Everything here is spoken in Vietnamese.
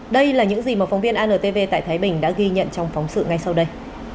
đây là những gì mà phóng viên antv tại thái bình đã ghi nhận trong phóng sự ngay sau đây